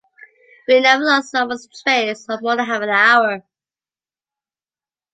We never lost someone’s trace or more than half an hour.